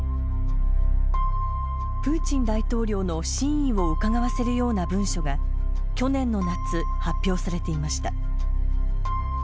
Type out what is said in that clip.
プーチン大統領の真意をうかがわせるような文書が去年の夏発表されていました。